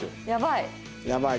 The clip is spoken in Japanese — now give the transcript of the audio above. やばい！